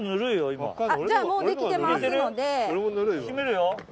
閉めるよ。